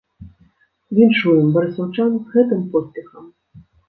Віншуем барысаўчан з гэтым поспехам!